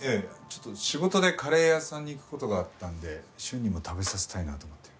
ちょっと仕事でカレー屋さんに行く事があったんで瞬にも食べさせたいなと思って。